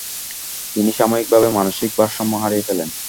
তিনি সাময়িকভাবে মানসিক ভারসাম্য হারিয়ে ফেলেন।